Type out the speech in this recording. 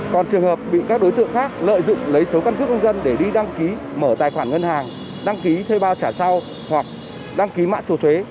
còn trường hợp bị các đối tượng khác lợi dụng lấy số căn cước công dân để đi đăng ký mở tài khoản ngân hàng đăng ký thuê bao trả sau hoặc đăng ký mã số thuế